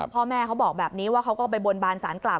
พ่อแม่เขาบอกแบบนี้ว่าเขาก็ไปบนบานสารกลับ